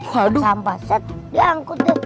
sampah set diangkut tuh